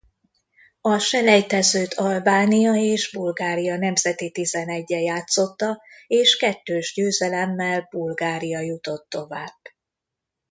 A selejtezőt Albánia és Bulgária nemzeti tizenegye játszotta és kettős győzelemmel Bulgária jutott tovább.